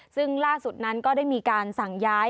ซึ่งล่าสุดนั้นก็ได้มีการสั่งย้าย